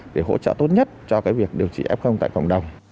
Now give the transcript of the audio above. để hỗ trợ tốt nhất cho việc điều trị f tại cộng đồng